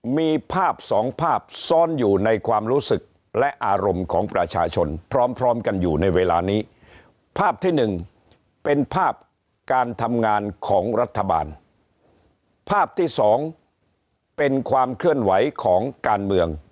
มีภาพสองภาพซ้อนอยู่ในความรู้สึกและอารมณ์ของประชาชนพร้อมพร้อมกันอยู่ในเวลานี้ภาพที่หนึ่งเป็นภาพการทำงานของรัฐบาลภาพที่สองเป็นความเคลื่อนไหวของการเมือง